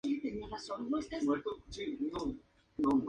Posteriormente, dejó su trabajo y comenzó una carrera como escritor en Tokio.